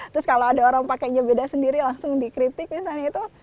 terus kalau ada orang pakainya beda sendiri langsung dikritik misalnya itu